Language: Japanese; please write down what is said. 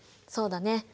そうだね。